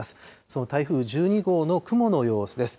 その台風１２号の雲の様子です。